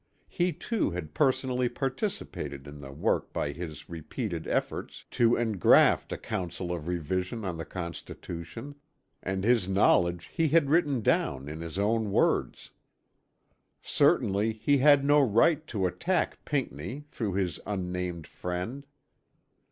He too had personally participated in the work by his repeated efforts to engraft a council of revision on the Constitution, and his knowledge he had written down in his own words. Certainly he had no right to attack Pinckney through his unnamed friend.